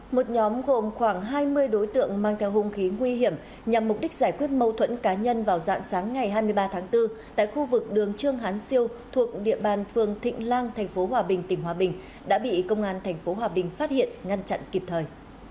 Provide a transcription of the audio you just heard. một nhóm gồm khoảng hai mươi đối tượng mang theo hung khí nguy hiểm nhằm mục đích giải quyết mâu thuẫn cá nhân vào dạng sáng ngày hai mươi ba tháng bốn tại khu vực đường trương hán siêu thuộc địa bàn phường thịnh lan tp hòa bình tỉnh hòa bình đã bị công an tp hòa bình phát hiện ngăn chặn kịp thời